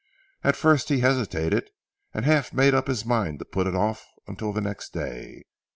At first he hesitated, and half made up his mind to put it off until the next day.